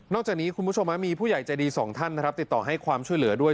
จากนี้คุณผู้ชมมีผู้ใหญ่ใจดีสองท่านนะครับติดต่อให้ความช่วยเหลือด้วย